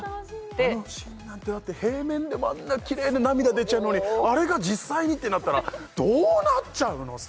あのシーンなんてだって平面でもあんなきれいで涙出ちゃうのにあれが実際にってなったらどうなっちゃうのさ！？